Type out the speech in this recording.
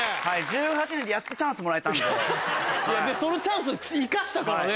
そのチャンスを生かしたからね。